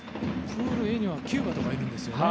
プールＡにはキューバとかいるんですよね。